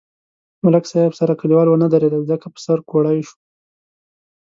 ملک صاحب سره کلیوال و نه درېدل ځکه په سر کوړئ شو.